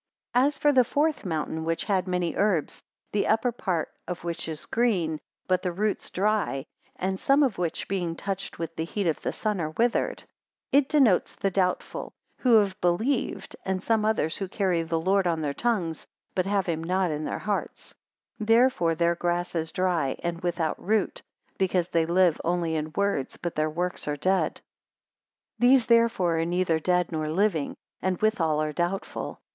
193 As for the fourth mountain, which had many herbs, the upper part of which is green, but the roots dry, and some of which being touched with the heat of the sun, are withered; 194 It denotes the doubtful, who have believed, and some others who carry the Lord on their tongues, but have him not in their hearts: therefore their grass is dry, and without root; because they live only in words, but their works are dead. 195 These therefore are neither dead nor living, and withal are doubtful.